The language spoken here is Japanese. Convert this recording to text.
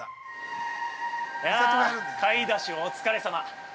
◆いや、買い出しお疲れさま。